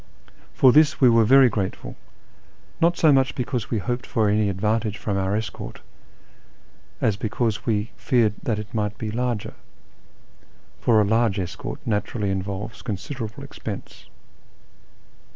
For this we were very grateful, not so much because we hoped for any advantage from our escort, as because we had feared that it mi^rht be larger; for a large escort naturally involves considerable ex pense.